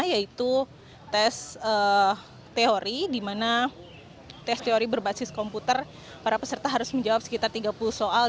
yaitu tes teori di mana tes teori berbasis komputer para peserta harus menjawab sekitar tiga puluh soal